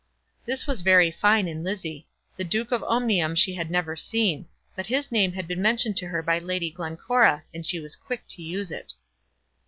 This was very fine in Lizzie. The Duke of Omnium she had never seen; but his name had been mentioned to her by Lady Glencora, and she was quick to use it.